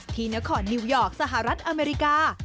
ที่นครนิวยอร์กสหรัฐอเมริกา